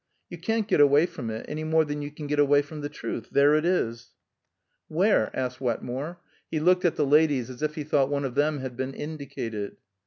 You can't get away from it, any more than you can get away from the truth. There it is!" "Where?" asked Wetmore. He looked at the ladies as if he thought one of them had been indicated.